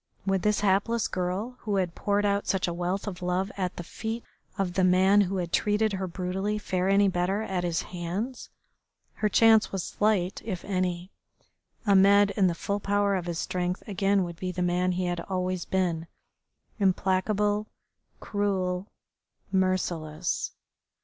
Would this hapless girl who had poured out such a wealth of love at the feet of the man who had treated her brutally fare any better at his hands? Her chance was slight, if any. Ahmed in the full power of his strength again would be the man he had always been, implacable, cruel, merciless.